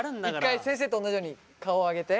一回先生と同じように顔上げて。